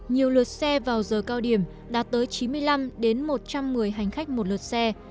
nhiều lượt xe vào giờ cao điểm đạt tới chín mươi năm một trăm một mươi hành khách một lượt xe